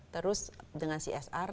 terus dengan csr